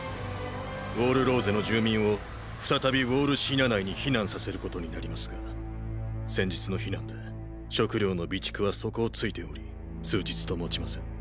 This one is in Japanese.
ウォール・ローゼの住民を再びウォール・シーナ内に避難させることになりますが先日の避難で食糧の備蓄は底をついており数日ともちません。